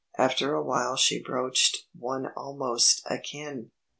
After awhile she broached one almost akin.